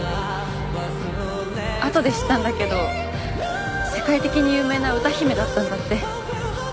後で知ったんだけど世界的に有名な歌姫だったんだって。